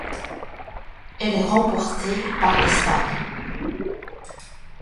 Elle est remportée par l'Espagne.